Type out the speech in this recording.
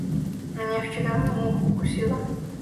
Меня вчера муха укусила.